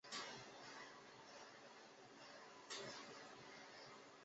是俄罗斯唯一一艘航空母舰。